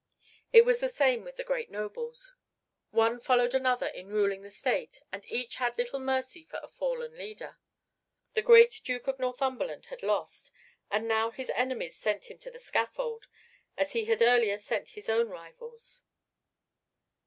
It was the same with the great nobles. One followed another in ruling the state and each had little mercy for a fallen leader. The great Duke of Northumberland had lost, and now his enemies sent him to the scaffold as he had earlier sent his own rivals.